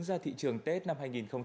ra thị trường tết năm hai nghìn hai mươi